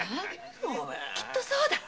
きっとそうだ！